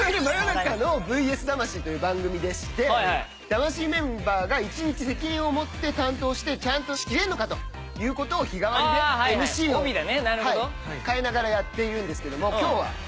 『真夜中のＶＳ魂』という番組でして魂メンバーが一日責任を持って担当してちゃんと仕切れんのかということを日替わりでＭＣを変えながらやっているんですけども今日は。